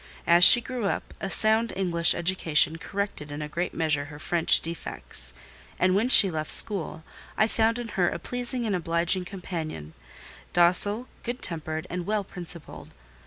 As she grew up, a sound English education corrected in a great measure her French defects; and when she left school, I found in her a pleasing and obliging companion: docile, good tempered, and well principled.